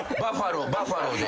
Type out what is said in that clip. バッファローで。